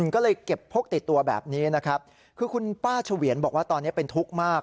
ก็เลยเก็บพกติดตัวแบบนี้นะครับคือคุณป้าเฉวียนบอกว่าตอนนี้เป็นทุกข์มาก